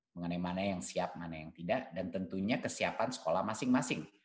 mengenai mana yang siap mana yang tidak dan tentunya kesiapan sekolah masing masing